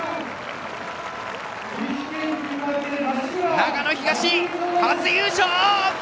長野東、初優勝！